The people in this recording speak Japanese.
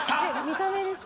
見た目です。